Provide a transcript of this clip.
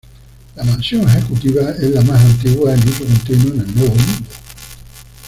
La Mansión Ejecutiva es la más antigua en uso continuo en el Nuevo Mundo.